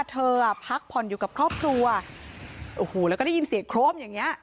เธออ่ะพักผ่อนอยู่กับครอบครัวโอ้โหแล้วก็ได้ยินเสียงโครมอย่างเงี้